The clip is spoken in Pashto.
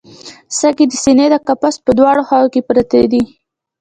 سږي د سینې د قفس په دواړو خواوو کې پراته دي